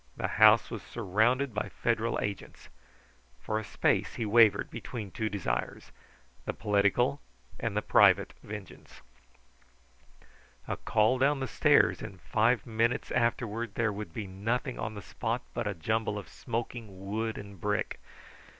The house was surrounded by Federal agents. For a space he wavered between two desires, the political and the private vengeance. A call down the stairs, and five minutes afterward there would be nothing on the spot but a jumble of smoking wood and brick.